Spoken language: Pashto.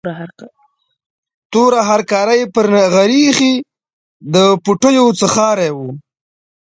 توره هرکاره یې پر نغري ایښې، د پوټیو څښاری و.